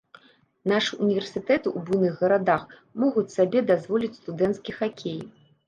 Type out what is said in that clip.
Нашы ўніверсітэты ў буйных гарадах могуць сабе дазволіць студэнцкі хакей.